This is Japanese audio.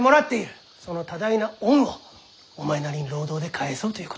その多大な恩をお前なりに労働で返そうということか？